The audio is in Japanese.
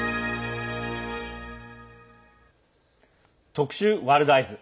特集「ワールドＥＹＥＳ」。